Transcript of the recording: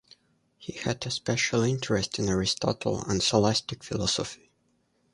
He had a special interest in Aristotle and scholastic philosophy.